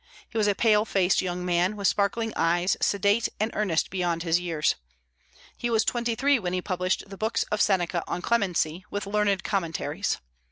He was a pale faced young man, with sparkling eyes, sedate and earnest beyond his years. He was twenty three when he published the books of Seneca on Clemency, with learned commentaries.